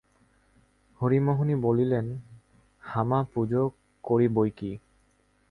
হরিমোহিনী বলিলেন, হাঁ মা, পুজো করি বৈকি।